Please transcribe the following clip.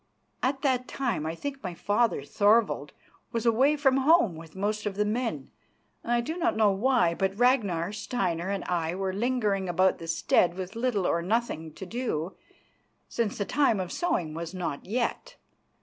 At that time I think my father, Thorvald, was away from home with most of the men, I do not know why; but Ragnar, Steinar and I were lingering about the stead with little or nothing to do, since the time of sowing was not yet.